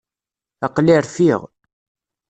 Aql-i rfiɣ.